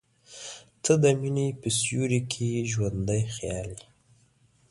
• ته د مینې په سیوري کې ژوندی خیال یې.